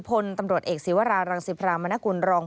สุภนตำรวจเอกสิวรารังสิบรามณกุลรองค์